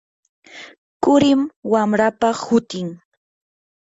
qurim wamrapa hutin.